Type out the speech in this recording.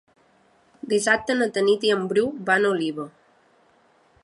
Dissabte na Tanit i en Bru van a Oliva.